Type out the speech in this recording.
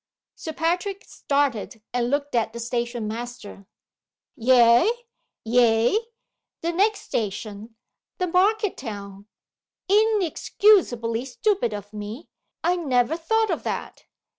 Sir Patrick started and looked at the station master. "Ay? ay? The next station the market town. Inexcusably stupid of me. I never thought of that."